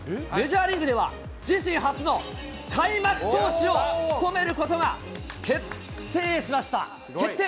メジャーリーグでは自身初の開幕投手を務めることが決定しました。